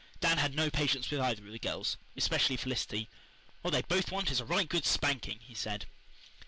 Dan had no patience with either of the girls, especially Felicity. "What they both want is a right good spanking," he said.